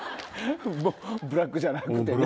ブラックじゃなくてね。